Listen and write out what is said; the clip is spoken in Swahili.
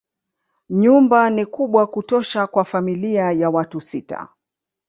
Nyumba ni kubwa kutosha kwa familia ya watu sita.